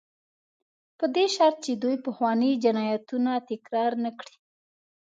په دې شرط چې دوی پخواني جنایتونه تکرار نه کړي.